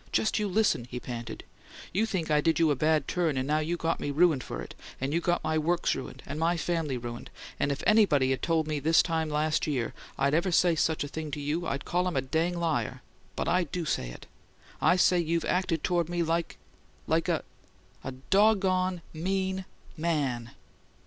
"Just you listen!" he panted. "You think I did you a bad turn, and now you got me ruined for it, and you got my works ruined, and my family ruined; and if anybody'd 'a' told me this time last year I'd ever say such a thing to you I'd called him a dang liar, but I DO say it: I say you've acted toward me like like a a doggone mean man!"